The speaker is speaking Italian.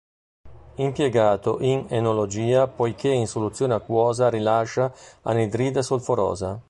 Impiegato in enologia poiché in soluzione acquosa rilascia anidride solforosa.